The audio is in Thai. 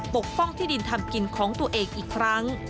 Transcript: ปกป้องที่ดินทำกินของตัวเองอีกครั้ง